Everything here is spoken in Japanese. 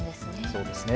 そうですね。